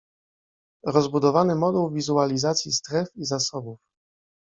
Rozbudowany moduł wizualizacji stref i zasobów